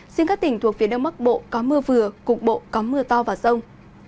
riêng các tỉnh thuộc phía đông bắc bộ có mưa vừa cục bộ có mưa to và rông